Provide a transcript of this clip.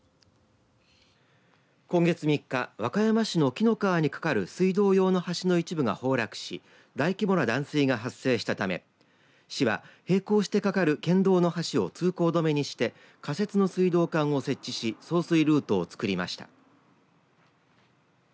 今月３日和歌山市の紀の川にかかる水道用の橋の一部が崩落し大規模な断水が発生したため市は並行してかかる県道の橋を通行止めにして仮設の水道管を設置し送水ルートをつくりました。